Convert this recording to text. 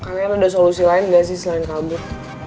kalian ada solusi lain nggak sih selain kabur